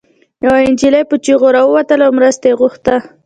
يوه انجلۍ په چيغو راووتله او مرسته يې غوښته